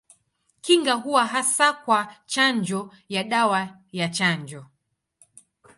Kinga huwa hasa kwa chanjo ya dawa ya chanjo.